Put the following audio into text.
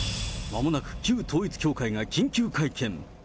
まもなく旧統一教会が緊急会見。